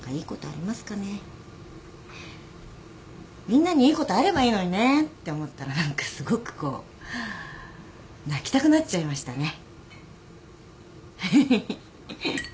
みんなにいいことあればいいのにねって思ったら何かすごくこう泣きたくなっちゃいましたね。